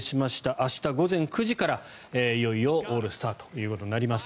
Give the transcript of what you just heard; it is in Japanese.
明日午前９時からいよいよオールスターということになります。